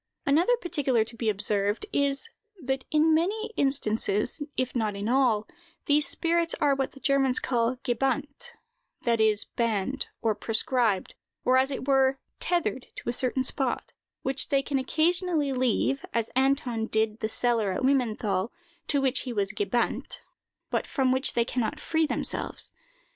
Another particular to be observed is, that in many instances, if not in all, these spirits are what the Germans call gebannt, that is, banned, or proscribed, or, as it were, tethered to a certain spot, which they can occasionally leave, as Anton did the cellar at Wimmenthal, to which he was gebannt, but from which they can not free themselves.